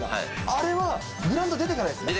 あれはグラウンド出てからですね。